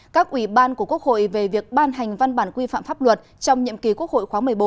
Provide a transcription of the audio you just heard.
các ubthq về việc ban hành văn bản quy phạm pháp luật trong nhiệm kỳ quốc hội khóa một mươi bốn